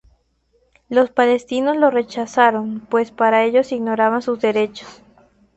Los palestinos la rechazaron, pues para ellos ignoraba sus derechos.